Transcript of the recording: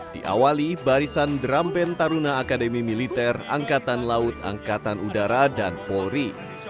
diawali barisan drum band taruna akademi militer angkatan laut angkatan udara dan polri